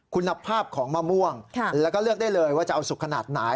คุณภาพของมะม่วงแล้วก็เลือกได้เลยว่าจะเอาสุกขนาดไหน